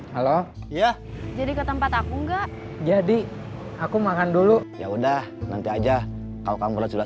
halo ya jadi ke tempat aku enggak jadi aku makan dulu ya udah nanti aja kalau kamu lihat sudah